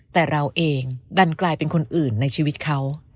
แต่เราเองดันกลายเป็นคนอื่นในชีวิตเขา